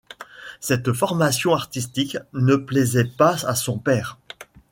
Cette formation artistique ne plaisait pas à son père.